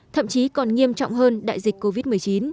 thậm chí còn nghiêm trọng hơn đại dịch covid một mươi chín